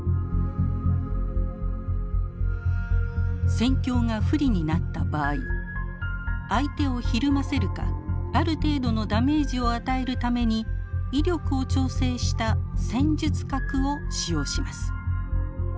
戦況が不利になった場合相手をひるませるかある程度のダメージを与えるために威力を調整した戦術核を使用します。